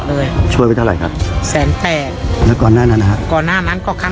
วันนี้แม่ช่วยเงินมากกว่า